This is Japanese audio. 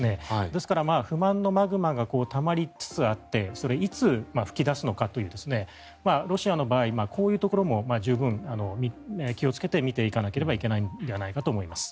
ですから、不満のマグマがたまりつつあってそれがいつ、噴き出すのかというロシアの場合こういうところも十分気をつけて見ていかなければいけないと思います。